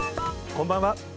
こんばんは。